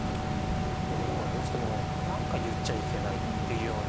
日本はどうしてもなんか言っちゃいけないっていうような。